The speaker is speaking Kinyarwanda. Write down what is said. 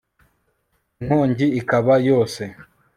inkongi ikaba yose